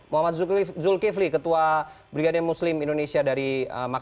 muhammad zulkifli ketua brigade muslim indonesia dari